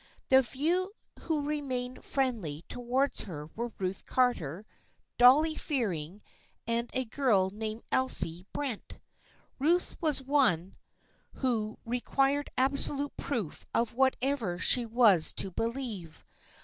The few who remained friendly towards her were Ruth Carter, Dolly Fearing and a girl named Elsie Brent. Ruth was one who re quired absolute proof of whatever she was to be lieve.